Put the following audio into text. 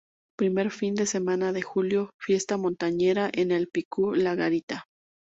Primer fin de semana de julio, Fiesta montañera en el "Picu la Garita".